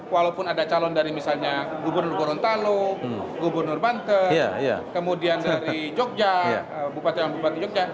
walaupun ada calon dari misalnya gubernur gorontalo gubernur banten kemudian dari jogja bupati jogja